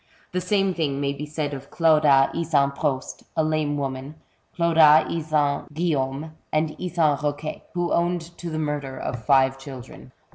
The same thing may be said of Clauda Isan Prost, a lame woman, Clauda Isan GuiUaume, and Isan Eoquet, who owned to the murder of five children.